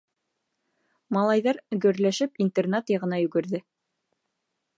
Малайҙар гөрләшеп интернат яғына йүгерҙе.